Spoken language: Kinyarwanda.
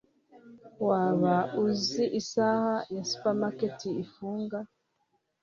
Waba uzi isaha iyo supermarket ifunga